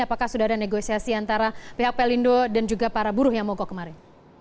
apakah sudah ada negosiasi antara pihak pelindo dan juga para buruh yang mogok kemarin